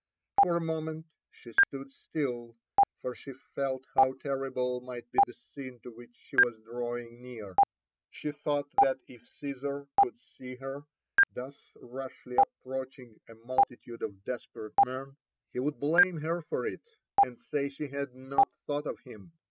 For a moment she stood still, for she felt how terrible might be the scene to which she was drawing near. She thought that if G»sar could see her thus rashly approaching a multitude of desperate men, he would blame her for it, and say she had not thought of him.